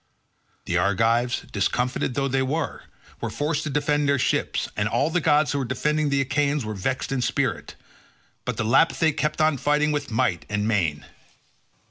The Argives, discomfited though they were, were forced to defend their ships, and all the gods who were defending the Achaeans were vexed in spirit; but the Lapithae kept on fighting with might and main.